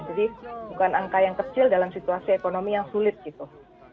jadi bukan angka yang kecil dalam situasi ekonomi yang sulit gitu